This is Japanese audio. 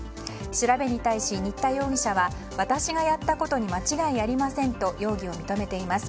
調べに対し新田容疑者は私がやったことに間違いありませんと容疑を認めています。